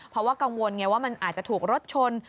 เพราะว่ากังวลไงว่ามันอาจจะถูกรถชน